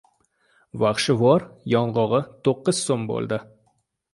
Vaxshivor yong‘og‘i to‘qqiz so‘m bo‘ldi.